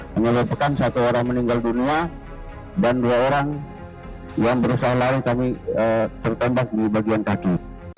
menyebabkan satu orang meninggal dunia dan dua orang yang berusaha lari kami tertembak di bagian kaki